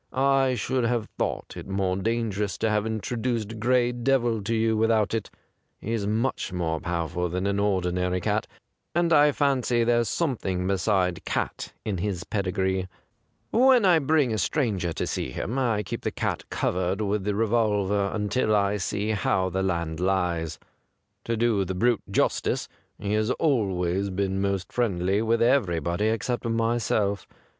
I should have thought it more dangerous to have introduced Gray Devil to you without it. He's much more powerful than an ordi nary cat, and I fancy there's some thing beside cat in his pedigree. When I bring a stranger to see him I keep the cat covered with the revolver until I see how the land lies. To do the brute justice, he has always been most friendly with everybody except myself.